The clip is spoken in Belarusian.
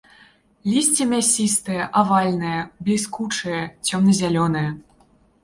Лісце мясістае, авальнае, бліскучае, цёмна-зялёнае.